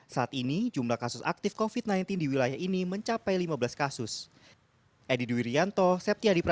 saat ini jumlah kasus aktif covid sembilan belas di wilayah ini mencapai lima belas kasus